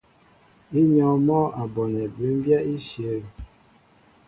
Ínyɔ́ɔ́ŋ mɔ́ a bonɛ bʉmbyɛ́ íshyə̂.